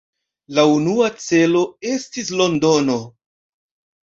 La unua celo estis Londono.